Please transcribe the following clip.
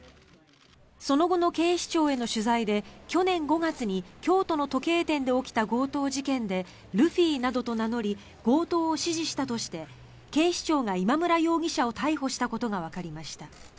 その後の警視庁への取材で去年５月に京都の時計店で起きた強盗事件でルフィなどと名乗り強盗を指示したとして警視庁が今村容疑者を逮捕したことがわかりました。